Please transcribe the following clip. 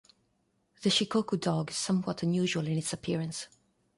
The Shikoku dog is somewhat unusual in its appearance.